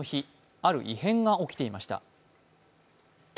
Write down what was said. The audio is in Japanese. ある異変が起きていました。